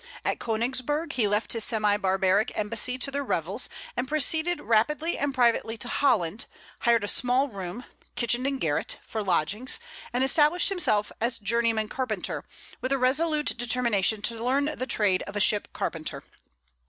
At Königsberg he left his semi barbaric embassy to their revels, and proceeded rapidly and privately to Holland, hired a small room kitchen and garret for lodgings, and established himself as journeyman carpenter, with a resolute determination to learn the trade of a ship carpenter.